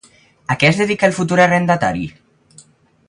A què es dedica el futur arrendatari?